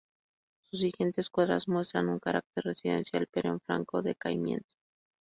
Sus siguientes cuadras muestran un carácter residencial pero en franco decaimiento.